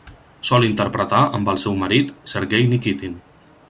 Sol interpretar amb el seu marit: Sergey Nikitin.